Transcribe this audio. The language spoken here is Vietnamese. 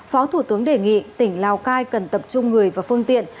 phó thủ tướng đề nghị tỉnh lào cai cần tập trung người và phương tiện